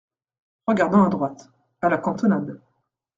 Regardant à droite ; à la cantonade.